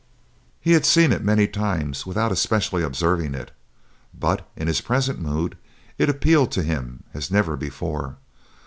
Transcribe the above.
He had seen it many times without especially observing it, but in his present mood it appealed to him as never before.